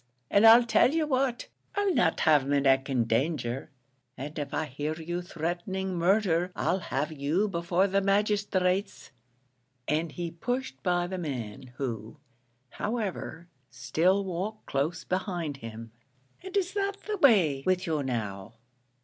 And I'll tell you what, I'll not have my neck in danger; and if I hear you threatening murdher, I'll have you before the magisthrates," and he pushed by the man, who, however, still walked close behind him. "And is that the way with you now?